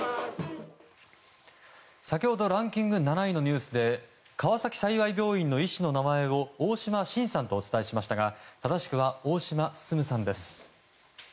先ほどランキング７位のニュースで川崎幸病院の医師の名前を大島晋さんとお伝えしましたが正しくはおおしますすむさんです。